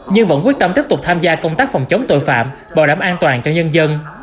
nhưng vẫn quyết tâm tiếp tục tham gia công tác phòng chống tội phạm bảo đảm an toàn cho nhân dân